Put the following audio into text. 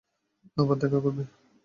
আবার দেখা করবে?